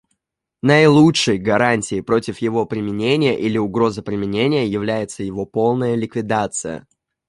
Наилучшей гарантией против его применения или угрозы применения является его полная ликвидация.